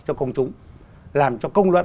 cho công chúng làm cho công luật